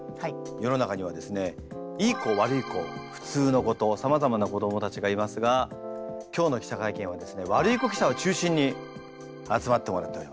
世の中にはですねいい子悪い子普通の子とさまざまな子どもたちがいますが今日の記者会見はですねワルイコ記者を中心に集まってもらっております。